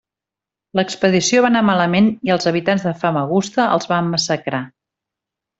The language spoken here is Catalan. L'expedició va anar malament i els habitants de Famagusta els van massacrar.